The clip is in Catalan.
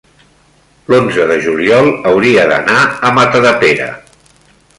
l'onze de juliol hauria d'anar a Matadepera.